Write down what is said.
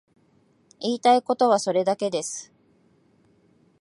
言いたいことはそれだけです。